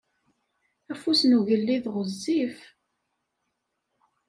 Afus n ugellid ɣezzif.